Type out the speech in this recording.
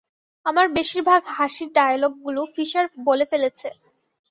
আমার বেশিরভাগ হাসির ডায়লগ গুলো ফিশার বলে ফেলেছে।